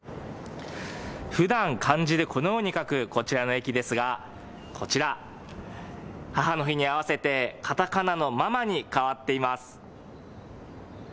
ふだん漢字でこのように書くこちらの駅ですが、こちら母の日に合わせてカタカナのママに変わっています。